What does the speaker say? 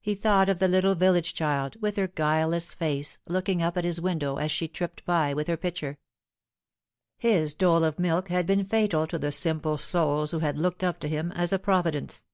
He thought of the little village child, with her guileless f*^ e, looking up at his window as she tripped by with her pitcher, i (is dole of milk had been fatal to the simple souls who had locfr ed 52 The Fatal Three. up to him as a Providence.